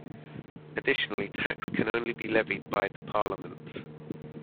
Additionally, tax can only be levied by the Parliament.